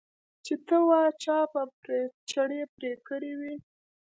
چې ته وا چا به په چړې پرې کړي وي.